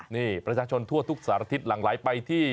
นี่ประชาชนทั่วทุกสารพิธรรมหลายไปที่